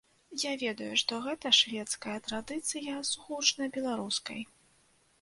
Я ведаў, што гэта шведская традыцыя сугучна беларускай.